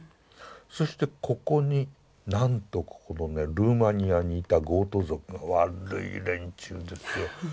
そしてここになんとここのねルーマニアにいたゴート族が悪い連中ですよ。